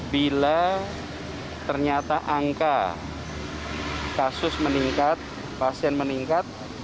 bila ternyata angka kasus meningkat pasien meningkat